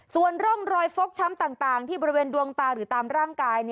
ส่วนร่องรอยฟกช้ำต่างที่บริเวณดวงตาหรือตามร่างกาย